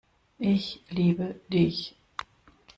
Ich liebe Dich.